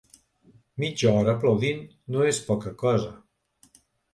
Mitja hora aplaudint no és poca cosa.